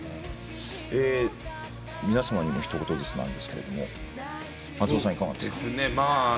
皆様にもひと言ずつなんですが松尾さん、いかがですか？